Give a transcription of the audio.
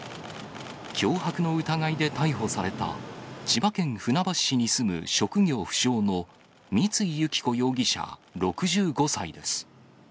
脅迫の疑いで逮捕された、千葉県船橋市に住む職業不詳の三井由起子容疑者６５歳です。